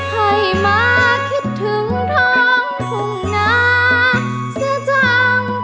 ใครมาคิดถึงท้องทุ่งหนาซะจัง